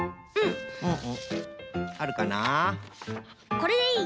これでいい？